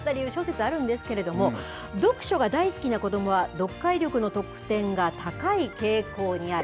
下がった理由、諸説あるんですけれども、読書が大好きな子どもは読解力の得点が高い傾向にある。